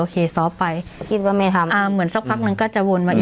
โอเคซอฟต์ไปคิดว่าไม่ทำอ่าเหมือนสักพักหนึ่งก็จะวนมาอีก